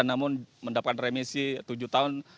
namun mendapatkan remisi tujuh tahun